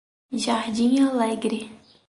Jardim Alegre